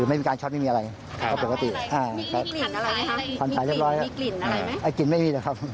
เราก็เสียบปั๊กเหมือนเดิม